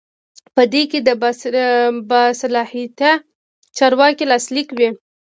په دې کې د باصلاحیته چارواکي لاسلیک وي.